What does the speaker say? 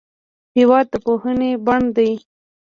هېواد د پوهې بڼ دی.